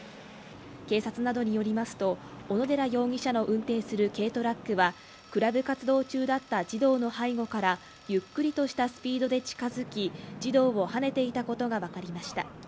警察などによりますと小野寺容疑者の運転する軽トラックはクラブ活動中だった児童の背後からゆっくりとしたスピードで近づき、児童をはねていたことがわかりました。